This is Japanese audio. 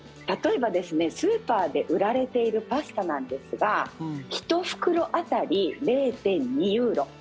例えばスーパーで売られているパスタなんですが１袋当たり０．２ユーロ